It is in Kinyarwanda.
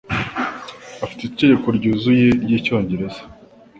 Afite itegeko ryuzuye ryicyongereza.